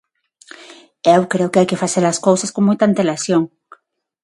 Eu creo que hai que facer as cousas con moita antelación.